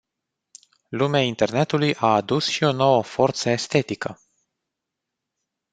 Lumea internetului a adus și o nouă forță estetică.